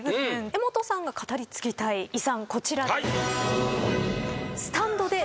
江本さんが語り継ぎたい遺産こちらです。